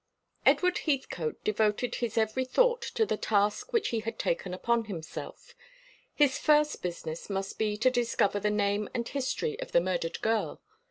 Edward Heathcote devoted his every thought to the task which he had taken upon himself. His first business must be to discover the name and history of the murdered girl.